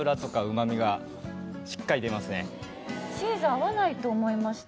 チーズ合わないと思いました